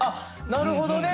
なるほどね。